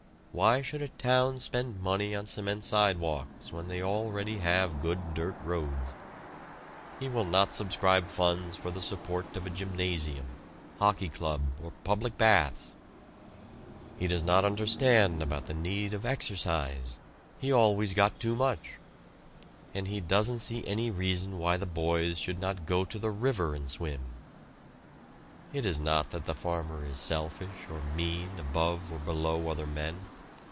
Why should a town spend money on cement sidewalks when they already have good dirt roads? He will not subscribe funds for the support of a gymnasium, hockey club or public baths. He does not understand about the need of exercise, he always got too much; and he doesn't see any reason why the boys should not go to the river and swim. It is not that the farmer is selfish or mean above or below other men.